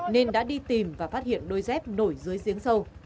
nên đã đi tìm và phát hiện đôi dép nổi dưới giếng sâu